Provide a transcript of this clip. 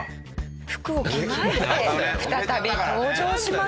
服を着替えて再び登場します。